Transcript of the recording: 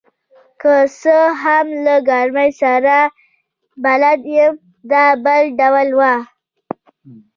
که څه هم له ګرمۍ سره بلد یم، دا بل ډول وه.